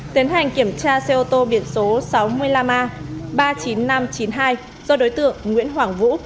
tiến hành kiểm tra xe ô tô biển số sáu mươi năm a ba mươi chín nghìn năm trăm chín mươi hai do đối tượng nguyễn hoàng vũ